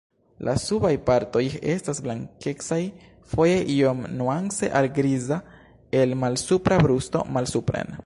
La subaj partoj estas blankecaj, foje iom nuance al griza el malsupra brusto malsupren.